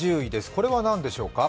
これは何でしょうか。